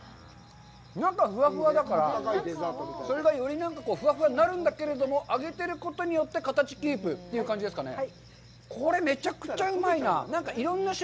中がふわふわだから、それがよりふわふわになるんだけれども、揚げてることによって形をキープという感じですかね。